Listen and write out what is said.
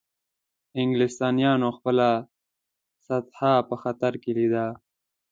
انګلیسانو خپله سلطه په خطر کې لیده.